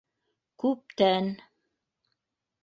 Күптән.